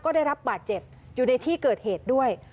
ได้รับบาดเจ็บอยู่ในที่เกิดเหตุด้วย